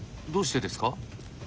どうしてですか？